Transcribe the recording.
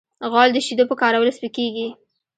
غول د شیدو په کارولو سپکېږي.